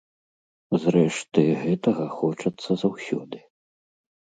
Зрэшты, гэтага хочацца заўсёды.